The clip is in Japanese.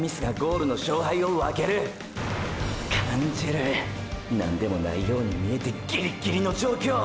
感じる何でもないように見えてギリッギリの状況！！